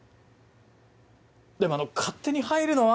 でもあの勝手に入るのは。